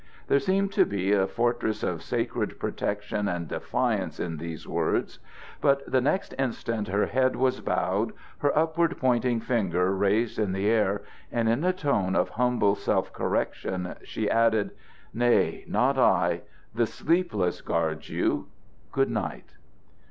There seemed to be a fortress of sacred protection and defiance in these words; but the next instant her head was bowed, her upward pointing finger raised in the air, and in a tone of humble self correction she added: "Nay, not I; the Sleepless guards you! Good night."